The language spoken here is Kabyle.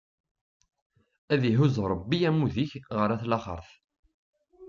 Ad ihuzz Ṛebbi, amud-ik ɣer at laxeṛt!